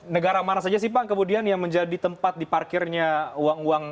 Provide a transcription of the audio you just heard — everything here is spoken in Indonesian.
negara mana saja sih pak kemudian yang menjadi tempat diparkirnya uang uang